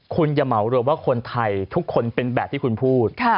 คุณอย่าเหมารวมว่าคนไทยทุกคนเป็นแบบที่คุณพูด